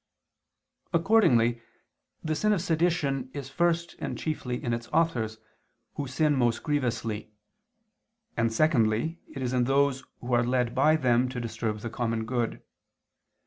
Accordingly the sin of sedition is first and chiefly in its authors, who sin most grievously; and secondly it is in those who are led by them to disturb the common good.